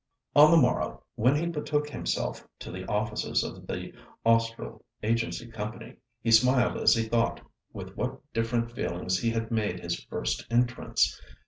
On the morrow, when he betook himself to the offices of the Austral Agency Company, he smiled as he thought with what different feelings he had made his first entrance.